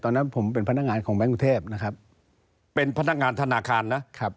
ตอนนั้นผมเป็นพนักงานของแบงค์กรุงเทพนะครับเป็นพนักงานธนาคารนะครับ